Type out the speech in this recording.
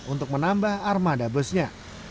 untuk menambah armada busnya